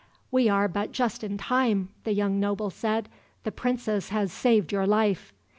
"We are but just in time," the young noble said. "The princess has saved your life."